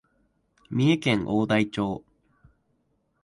三重県大台町